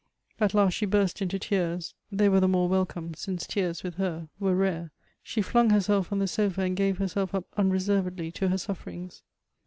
At last she burst into tears ; they were the more welcome, since tears with her were rare. She flung herself on the sofa, and gave herself up unreservedly to her sufferings.